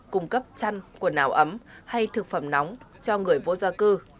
cung cấp chăn quần áo ấm hay thực phẩm nóng cho người vô gia cư